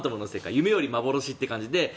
夢より幻という感じ。